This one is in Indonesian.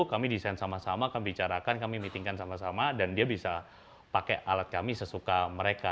kami desain sama sama kami bicarakan kami meetingkan sama sama dan dia bisa pakai alat kami sesuka mereka